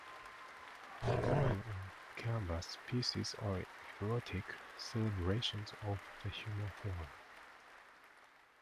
Her oil on canvas pieces are erotic celebrations of the human form.